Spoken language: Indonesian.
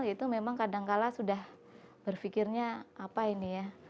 itu memang kadang kadang sudah berpikirnya apa ini ya